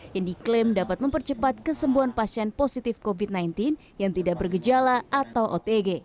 yang diklaim dapat mempercepat kesembuhan pasien positif covid sembilan belas yang tidak bergejala atau otg